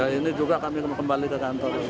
ya ini juga kami kembali ke kantor